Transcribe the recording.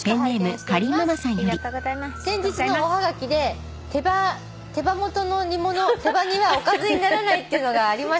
「先日のおはがきで手羽元の煮物手羽煮はおかずにならないっていうのがありましたよね？」